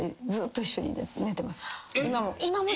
今も。